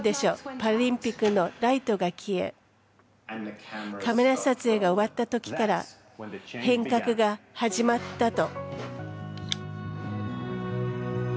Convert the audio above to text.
パラリンピックのライトが消えカメラ撮影が終わったときから変革が始まったと。